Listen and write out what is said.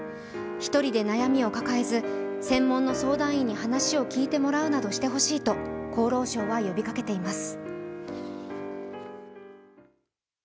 １人で悩みを抱えず、専門の相談員に話を聞いてもらうなどしてほしいと厚労省は呼びかけています。